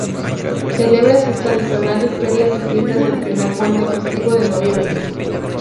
Celebra sus tradicionales ferias y fiestas el primer puente festivo de noviembre.